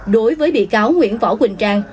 đối với bị cáo nguyễn võ quỳnh trang